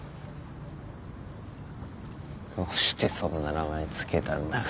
どうしてそんな名前つけたんだか。